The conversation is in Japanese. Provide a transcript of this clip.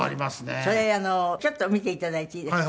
それちょっと見て頂いていいですか？